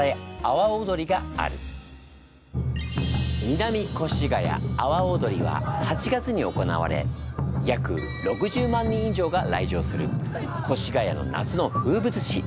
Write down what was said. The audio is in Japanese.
南越谷阿波踊りは８月に行われ約６０万人以上が来場する越谷の夏の風物詩。